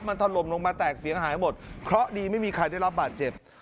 มันถล่มลงมาแตกเสียหายหมดเคราะห์ดีไม่มีใครได้รับบาดเจ็บ